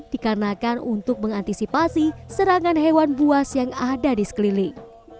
dikarenakan untuk mengantisipasi serangan hewan buas yang ada di sekeliling